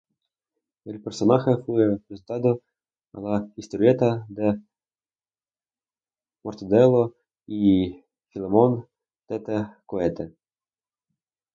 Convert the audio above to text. El personaje fue presentado en la historieta de Mortadelo y Filemón "Tete Cohete".